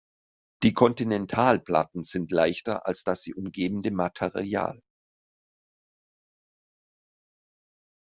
Die Kontinentalplatten sind leichter als das sie umgebende Material.